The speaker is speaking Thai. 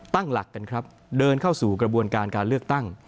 ตั้งหลักกันครับเดินเข้าสู่กระบวนการการเลือกตั้ง